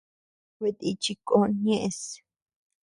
Kuetíchi kon ñeʼes.